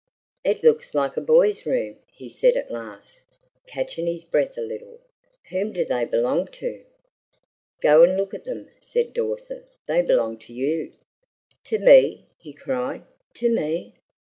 "It looks like a boy's room," he said at last, catching his breath a little. "Whom do they belong to?" "Go and look at them," said Dawson. "They belong to you!" "To me!" he cried; "to me?